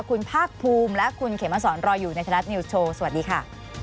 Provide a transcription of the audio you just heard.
คุณภาคภูมิและคุณเขมสอนรออยู่ในไทยรัฐนิวส์โชว์สวัสดีค่ะ